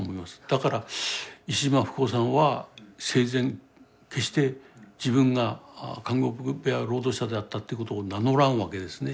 だから石島福男さんは生前決して自分が監獄部屋労働者であったということを名乗らんわけですね。